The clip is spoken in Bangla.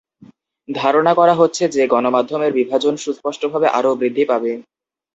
ধারণা করা হচ্ছে যে, গণমাধ্যমের বিভাজন সুস্পষ্টভাবে আরও বৃদ্ধি পাবে।